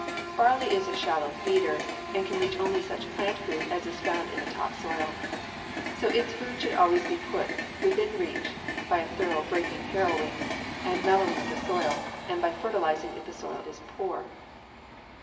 Barley is a shallow feeder, and can reach only such plant food as is found in the top soil, so its food should always be put within reach by a thorough breaking, harrowing, and mellowing of the soil, and by fertilizing if the soil is poor.